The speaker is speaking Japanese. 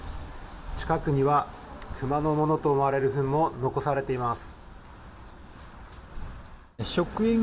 近くにはクマのものと思われるふんも残されています。